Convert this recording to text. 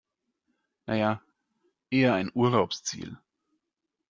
Na ja, eher ein Urlaubsziel.